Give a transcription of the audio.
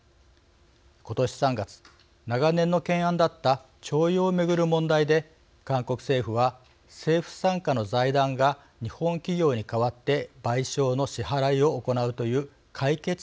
今年３月長年の懸案だった徴用をめぐる問題で韓国政府は政府傘下の財団が日本企業に代わって賠償の支払いを行うという解決策を示しました。